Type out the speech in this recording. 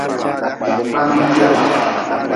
Kpaam-tia.